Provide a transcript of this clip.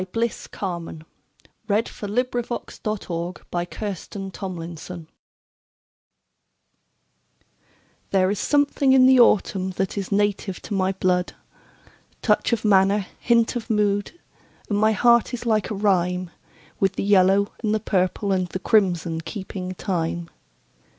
Bliss Carman A Vagabond Song THERE is something in the autumn that is native to my blood—Touch of manner, hint of mood; And my heart is like a rhyme, With the yellow and the purple and the crimson keeping time.